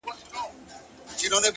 o اې ه څنګه دي کتاب له مخه ليري کړم،